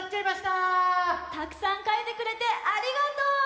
たくさんかいてくれてありがとう！